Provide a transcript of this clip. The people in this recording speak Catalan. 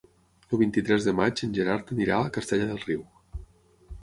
El vint-i-tres de maig en Gerard anirà a Castellar del Riu.